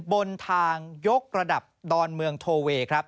บนทางยกระดับดอนเมืองโทเว